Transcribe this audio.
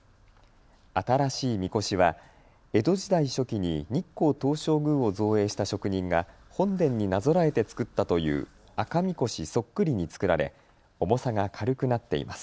新しいみこしは江戸時代初期に日光東照宮を造営した職人が本殿になぞらえて作ったという朱神輿そっくりに作られ重さが軽くなっています。